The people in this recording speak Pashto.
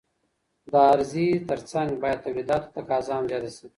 د عرضې ترڅنګ بايد توليداتو ته تقاضا هم زياته سي.